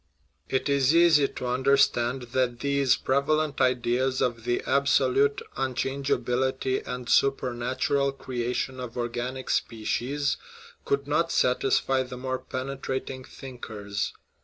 It is easy to understand that these prevalent ideas of the absolute unchangeability and supernatural crea tion of organic species could not satisfy the more pene trating thinkers.